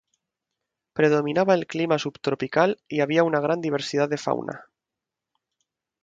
Predominaba el clima subtropical y había una gran diversidad de fauna.